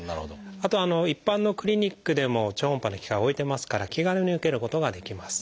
あと一般のクリニックでも超音波の機械置いてますから気軽に受けることができます。